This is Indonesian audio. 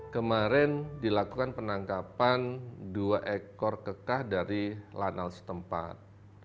kemarin dilakukan penangkapan dua ekor kekah dari lanal setempat